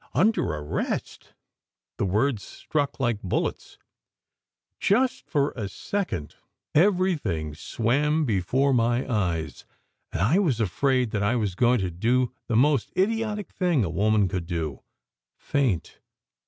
Under arrest ! The words struck like bullets. Just for a second everything swam before my eyes, and I was afraid that I was going to do the most idiotic thing a woman can do faint.